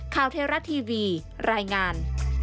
ข้าวเทราะห์ทีวีรายงาน